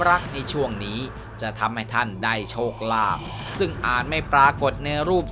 รักในช่วงนี้จะทำให้ท่านได้โชคลาภซึ่งอาจไม่ปรากฏในรูป